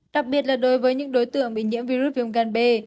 đặc biệt là đối với những đối tượng bị nhiễm virus viêm gan b